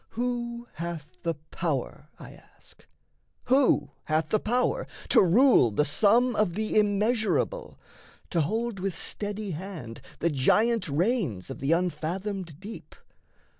Who hath the power (I ask), who hath the power To rule the sum of the immeasurable, To hold with steady hand the giant reins Of the unfathomed deep?